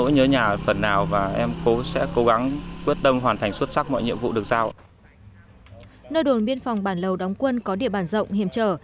nơi đồn biên phòng bản lầu đóng quân có địa bàn rộng hiểm trở